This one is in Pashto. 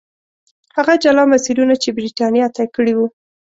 هغه جلا مسیرونه چې برېټانیا طی کړي وو.